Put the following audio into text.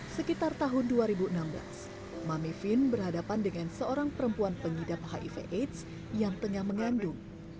sekitar tahun dua ribu enam belas mami vin berhadapan dengan seorang perempuan pengidap hiv aids yang tengah mengandung